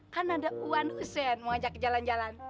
kan ada wan huseen mau ajak ke jalan jalan aja ya